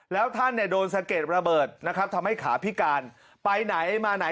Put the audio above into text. แล้วท่านโดนสังเกตระเบิดทำให้ขาพิการไปไหนมาไหน